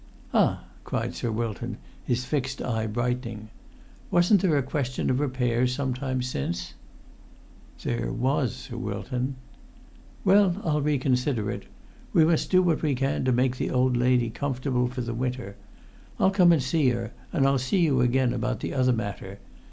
"Ah!" cried Sir Wilton, his fixed eye brightening. "Wasn't there a question of repairs some time since?" "There was, Sir Wilton." [Pg 101]"Well, I'll reconsider it. We must do what we can to make the old lady comfortable for the winter. I'll come and see her, and I'll see you again about the other matter.